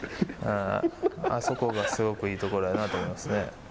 あそこがすごくいいところやなと思いますね。